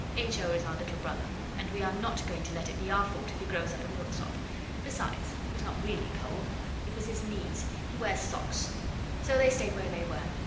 H. O. is our little brother, and we are not going to let it be our fault if he grows up a milksop. Besides, it was not really cold. It was his knees he wears socks. So they stayed where they were.